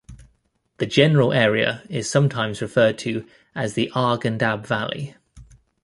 The general area is sometimes referred to as the Arghandab Valley.